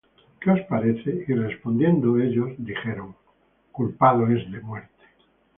¿Qué os parece? Y respondiendo ellos, dijeron: Culpado es de muerte.